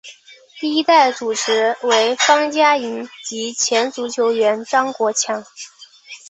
第一代主持为方嘉莹及前足球员张国强。